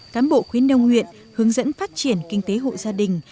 cán bộ khuyến đông huyện hướng dẫn phát triển kinh tế hộ gia đình